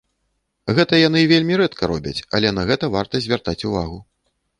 Гэта яны вельмі рэдка робяць, але на гэта варта звяртаць увагу.